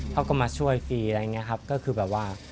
เขาก็มาช่วยฟรีอะไรอย่างนี้ครับก็คือแบบว่า